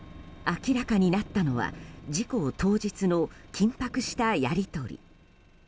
明らかになったのは事故当日の緊迫したやり取り。